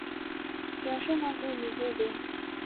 Келшен огыл нигӧ ден;